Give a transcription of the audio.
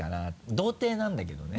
童貞なんだけどね？